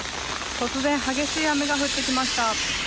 突然、激しい雨が降ってきました。